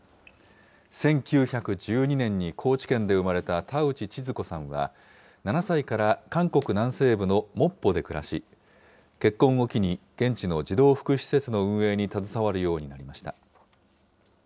１９１２年に高知県で生まれた田内千鶴子さんは、７歳から韓国南西部のモッポで暮らし、結婚を機に現地の児童福祉施設の運営に携わるようになりました。